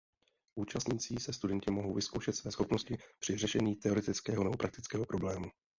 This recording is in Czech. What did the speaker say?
Účastnící se studenti mohou vyzkoušet své schopnosti při řešení teoretického nebo praktického problému.